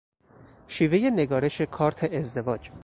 شیوهی نگارش کارت ازدواج